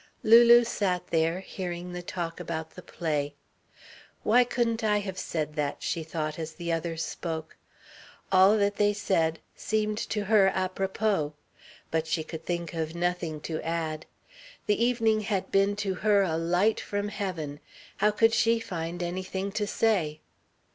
Lulu sat there, hearing the talk about the play. "Why couldn't I have said that?" she thought as the others spoke. All that they said seemed to her apropos, but she could think of nothing to add. The evening had been to her a light from heaven how could she find anything to say?